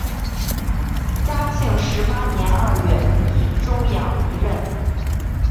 嘉庆十八年二月以终养离任。